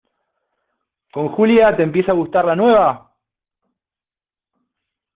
con Julia, te empieza a gustar la nueva?